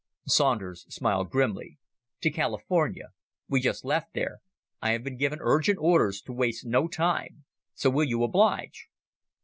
Saunders smiled grimly. "To California. We just left there. I have been given urgent orders to waste no time. So will you oblige?"